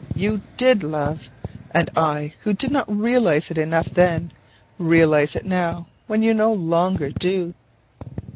You did love: and I who did not realize it enough then, realize it now when you no longer do.